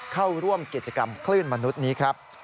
เข้าร่วมกิจกรรมคลื่นมนุษย์นี้ครับ